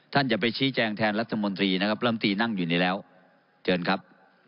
จะไปชี้แจงแทนรัฐมนตรีนะครับลำตีนั่งอยู่นี่แล้วเชิญครับ